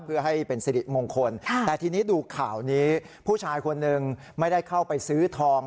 เพื่อให้เป็นสิริมงคลแต่ทีนี้ดูข่าวนี้ผู้ชายคนหนึ่งไม่ได้เข้าไปซื้อทอง